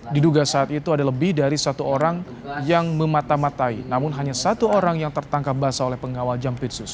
diduga saat itu ada lebih dari satu orang yang memata matai namun hanya satu orang yang tertangkap basah oleh pengawal jampitsus